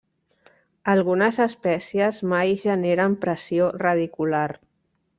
Algunes espècies mai generen pressió radicular.